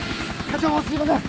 課長もすいません。